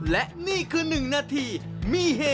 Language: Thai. และนี่คือหนึ่งนาทีมีเฮ